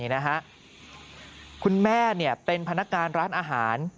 น่าฮะคุณแม่นี้เป็นพนักงานร้านอาหาร